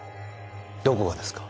どこがですか？